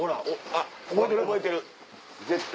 あっ覚えてる絶対。